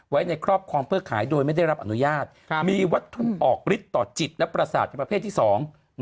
ไว้ในครอบครองเพื่อขายโดยไม่ได้รับอนุญาตมีวัตถุออกฤทธิต่อจิตและประสาทประเภทที่สอง